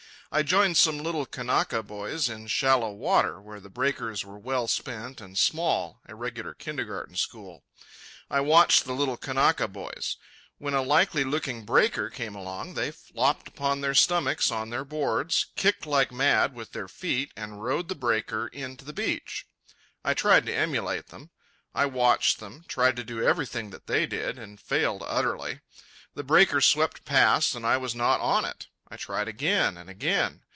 I joined some little Kanaka boys in shallow water, where the breakers were well spent and small—a regular kindergarten school. I watched the little Kanaka boys. When a likely looking breaker came along, they flopped upon their stomachs on their boards, kicked like mad with their feet, and rode the breaker in to the beach. I tried to emulate them. I watched them, tried to do everything that they did, and failed utterly. The breaker swept past, and I was not on it. I tried again and again.